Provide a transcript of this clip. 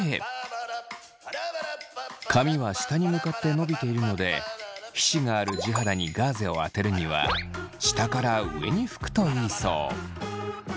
髪は下に向かって伸びているので皮脂がある地肌にガーゼをあてるには下から上に拭くといいそう。